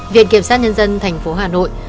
viện kiểm soát nhân dân thành phố hà nội